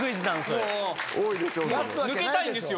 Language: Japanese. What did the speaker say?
抜けたいんですよ